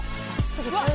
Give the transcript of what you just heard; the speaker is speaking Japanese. すごい！